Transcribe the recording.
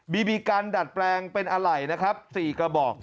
บีบีกันดัดแปลงเป็นอะไร๔กระบอก